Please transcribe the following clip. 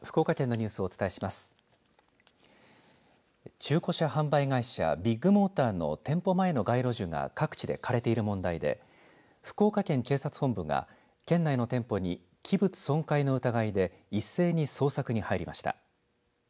中古車販売会社ビッグモーターの店舗前の街路樹が各地で枯れている問題で福岡県警察本部が県内の店舗に器物損壊の疑いで一斉に捜索に入りました。